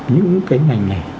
những cái ngành này